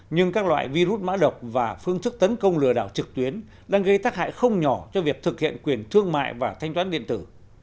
nhưng các loại virus mã độc và phương thức tấn công lừa đảo trực tuyến đang gây tác hại không nhỏ cho việc thực hiện quyền thương mại và thanh toán điện tử